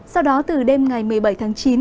sau đó từ đêm ngày một mươi bảy tháng chín